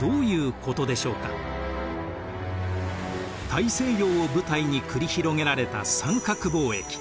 大西洋を舞台に繰り広げられた三角貿易。